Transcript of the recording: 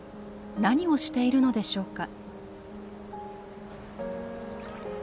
何をしているのでしょうか？